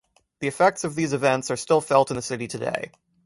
The effects of these events are still felt in the city today.